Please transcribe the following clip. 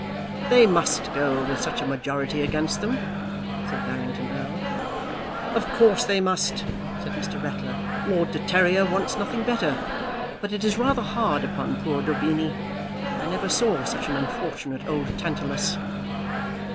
"They must go, with such a majority against them," said Barrington Erle. "Of course they must," said Mr. Ratler. "Lord de Terrier wants nothing better, but it is rather hard upon poor Daubeny. I never saw such an unfortunate old Tantalus."